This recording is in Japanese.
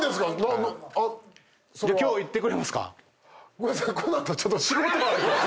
ごめんなさい。